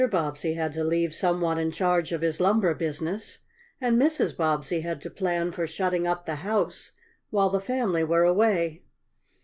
Bobbsey had to leave some one in charge of his lumber business, and Mrs. Bobbsey had to plan for shutting up the house while the family were away.